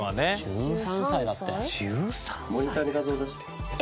１３歳だって。